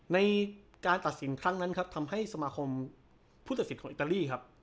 ในการตัดสินครั้งนั้นครับทำให้สมาคมผู้ตัดสินของอิตาลีครับ